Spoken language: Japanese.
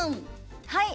はい。